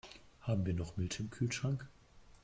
Haben wir noch Milch im Kühlschrank?